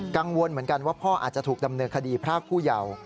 กังวลเหมือนกันว่าพ่ออาจจะถูกดำเนินคดีพรากผู้เยาว์